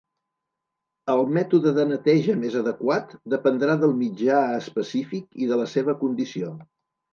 El mètode de neteja més adequat dependrà del mitjà específic i de la seva condició.